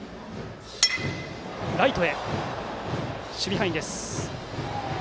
ライトの守備範囲でした。